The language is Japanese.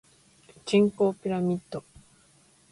人口ピラミッド